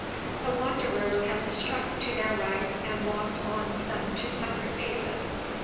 The wanderers had struck to their right and walked on some two hundred paces.